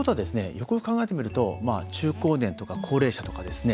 よくよく考えてみると中高年とか高齢者とかですね